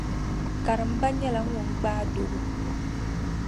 Karimba nyɛla ŋun gbaai doro.